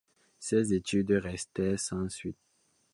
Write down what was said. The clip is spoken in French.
Ces études restèrent sans suites.